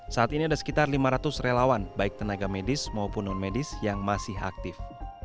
saat ini ada sekitar lima ratus relawan baik tenaga medis maupun non medis yang masih aktif